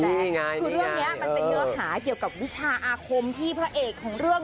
คือเรื่องนี้มันเป็นเนื้อหาเกี่ยวกับวิชาอาคมที่พระเอกของเรื่อง